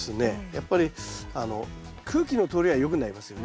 やっぱり空気の通りが良くなりますよね。